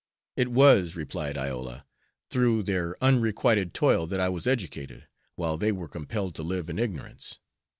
"It was," replied Iola, "through their unrequited toil that I was educated, while they were compelled to live in ignorance.